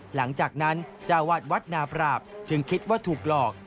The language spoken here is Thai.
หลังจากนั้นเจ้าวาดวัดนาปราบจึงคิดว่าถูกหลอก